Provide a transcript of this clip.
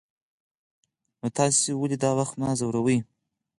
نو تاسې ولې دا وخت ما ځوروئ.